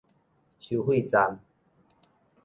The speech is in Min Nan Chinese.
收費站